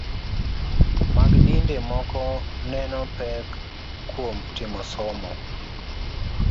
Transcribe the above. Mag dinde moko neno pek kuom timo somo